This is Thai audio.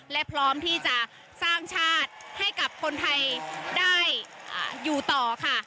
และพร้อมที่จะสร้างชาติให้กับคนไทยได้อยู่ต่อค่ะ